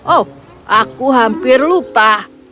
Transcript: oh aku hampir lupa